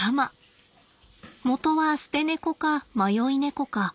元は捨て猫か迷い猫か。